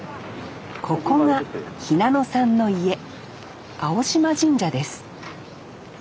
ここが日向野さんの家青島神社です